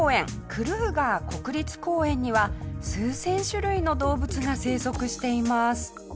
クルーガー国立公園には数千種類の動物が生息しています。